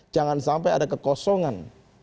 jangan sampai ada kekosongan